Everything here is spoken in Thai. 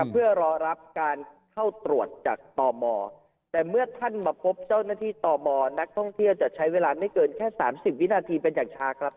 เพื่อรอรับการเข้าตรวจจากตมแต่เมื่อท่านมาพบเจ้าหน้าที่ต่อมอนักท่องเที่ยวจะใช้เวลาไม่เกินแค่๓๐วินาทีเป็นอย่างช้าครับ